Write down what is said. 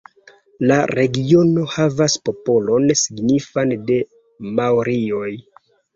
La regiono havas popolon signifan de maorioj.